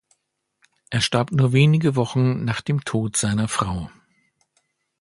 Er starb nur wenige Wochen nach dem Tod seiner Frau.